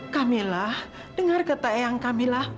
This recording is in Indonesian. kamila dengar kata ayah kamila